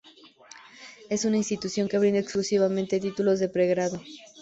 Es una institución que brinda exclusivamente títulos de pregrado.